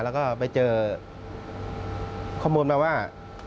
แล้วก็ไปเจอข้อมูลมาว่า